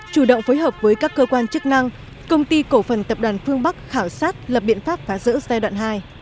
chủ động phối hợp với các cơ quan chức năng công ty cổ phần tập đoàn phương bắc khảo sát lập biện pháp phá rỡ giai đoạn hai